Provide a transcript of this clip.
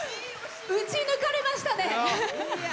打ち抜かれましたね！